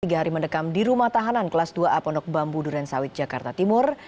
tiga hari mendekam di rumah tahanan kelas dua a pondok bambu durensawit jakarta timur